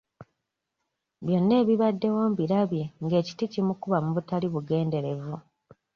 Byonna ebibaddewo mbirabye nga ekiti kimukuba mu butali bugenderevu.